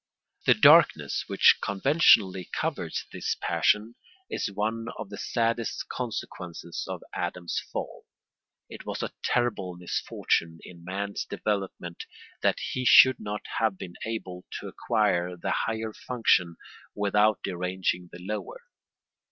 The darkness which conventionally covers this passion is one of the saddest consequences of Adam's fall. It was a terrible misfortune in man's development that he should not have been able to acquire the higher functions without deranging the lower.